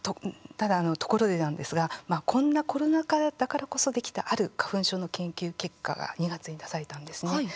ところでなんですが、こんなコロナ禍だからこそできたある花粉症の研究結果が２月に出されたんですね。